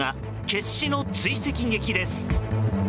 決死の追跡劇です。